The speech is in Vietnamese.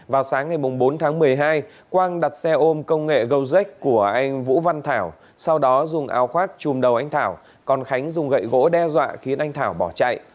vào sáng ngày bốn tháng một mươi hai quang đặt xe ôm công nghệ gojek của anh vũ văn thảo sau đó dùng áo khoác chùm đầu anh thảo còn khánh dùng gậy gỗ đe dọa khiến anh thảo bỏ chạy